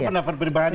itu pendapat pribadi